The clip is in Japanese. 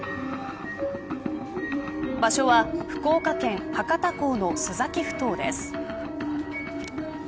場所は、福岡県博多港の須崎ふ頭です。